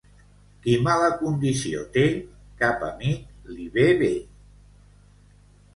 Qui mala condició té, cap amic li ve bé.